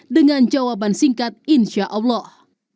dengan jawaban singkat insya allah